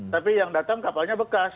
tapi yang datang kapalnya bekas